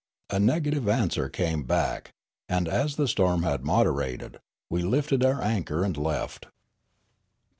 A negative answer came back; and, as the storm had moderated, we lifted our anchor and left."